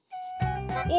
・お！